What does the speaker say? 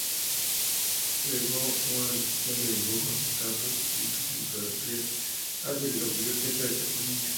Legó una colección de dibujos, estampas, documentos y fotografías a la Biblioteca de Cataluña.